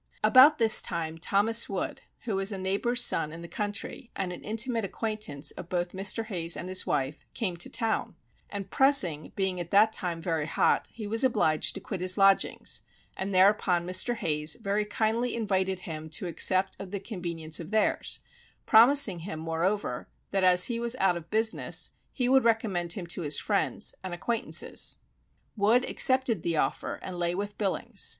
About this time Thomas Wood, who was a neighbour's son in the country, and an intimate acquaintance both of Mr. Hayes and his wife, came to town, and pressing being at that time very hot he was obliged to quit his lodgings; and thereupon Mr. Hayes very kindly invited him to accept of the convenience of theirs, promising him moreover, that as he was out of business, he would recommend him to his friends, and acquaintances. Wood accepted the offer, and lay with Billings.